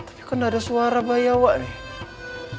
tapi kok gak ada suara bayi awak nih